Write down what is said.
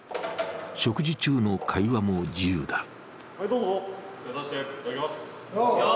食事中の会話も自由だ。